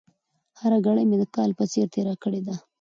هره ګړۍ مې د کال په څېر تېره کړې ده.